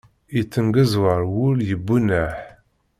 Yettengezwar wul yebunneḥ.